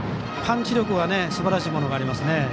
パンチ力はすばらしいものがありますね。